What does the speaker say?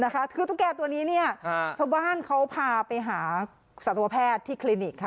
คือตุ๊กแก่ตัวนี้เนี่ยชาวบ้านเขาพาไปหาสัตวแพทย์ที่คลินิกค่ะ